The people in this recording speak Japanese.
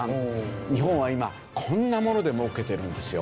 日本は今こんなもので儲けているんですよ。